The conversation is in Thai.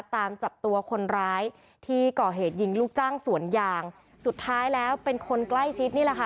ตามจับตัวคนร้ายที่ก่อเหตุยิงลูกจ้างสวนยางสุดท้ายแล้วเป็นคนใกล้ชิดนี่แหละค่ะ